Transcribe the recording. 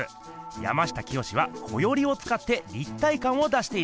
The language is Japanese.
山下清は「こより」をつかって立体かんを出しているんです。